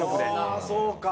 ああそうか。